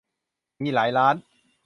มีหลายร้าน